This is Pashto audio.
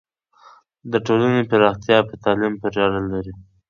د ټولنې پراختیا په تعلیم پورې اړه لري.